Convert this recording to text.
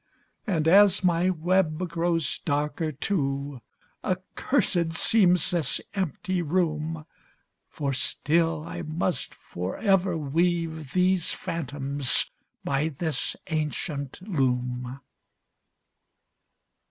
And as my web grows darker too, Accursed seems this empty room; For still I must forever weave These phantoms by this ancient loom.